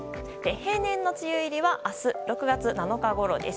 平年の梅雨入りは明日、６月７日ごろです。